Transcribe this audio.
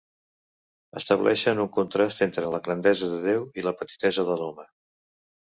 Estableixen un contrast entre la grandesa de Déu i la petitesa de l'home.